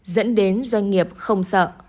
dẫn đến doanh nghiệp không sợ